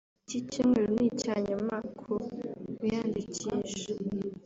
Iki cyumweru ni icya nyuma ku biyandikisha